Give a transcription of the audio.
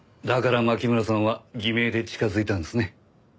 だから牧村さんは偽名で近づいたんですね。